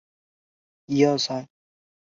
仙馔密酒是指希腊神话中诸神的食物。